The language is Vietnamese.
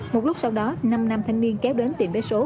một lúc sau đó năm nam thanh niên kéo đến tiệm vé số